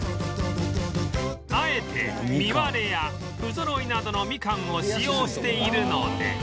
あえて実割れや不ぞろいなどのみかんを使用しているので